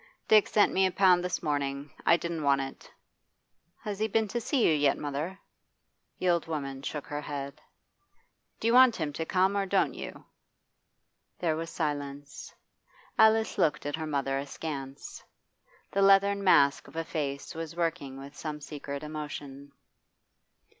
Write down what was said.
'Dick sent me a pound this morning. I didn't want it' 'Has he been to see you yet, mother?' The old woman shook her head. 'Do you want him to come, or don't you?' There was silence. Alice looked at her mother askance. The leathern mask of a face was working with some secret emotion.